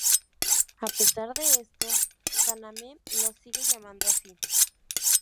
A pesar de esto, Kaname lo sigue llamando así.